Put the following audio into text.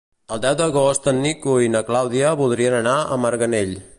El deu d'agost en Nico i na Clàudia voldrien anar a Marganell.